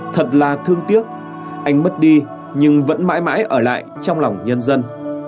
thật là thương tiếc anh mất đi nhưng vẫn mãi mãi ở lại trong lòng nhân dân